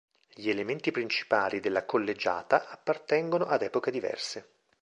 Gli elementi principali della Collegiata appartengono ad epoche diverse.